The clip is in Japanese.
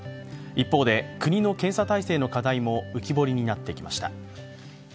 一方で、国の検査体制の課題も浮き彫りになってきました。